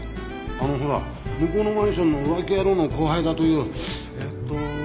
あのほら向こうのマンションの浮気野郎の後輩だというええと。